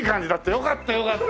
よかったよかった。